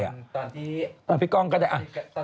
ตอนที่พี่กล้องก็จะ